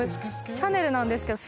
シャネルなんですけど。